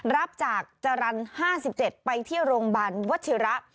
รับจากจรรย์๕๗ไปที่โรงพยาบาลวัชิระ